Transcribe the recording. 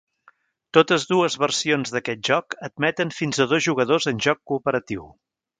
Totes dues versions d'aquest joc admeten fins a dos jugadors en joc cooperatiu.